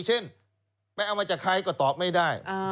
เช่นไปเอามาจากใครก็ตอบไม่ได้